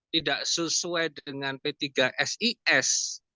tidak sesuai dengan p tiga sis